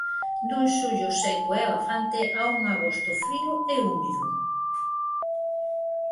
Dun xullo seco e abafante a un agosto frío e húmido.